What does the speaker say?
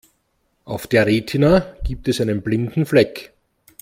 Auf der Retina gibt es einen blinden Fleck.